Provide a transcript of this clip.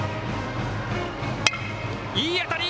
いい当たり。